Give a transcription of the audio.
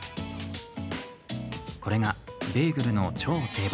これが、ベーグルの超定番。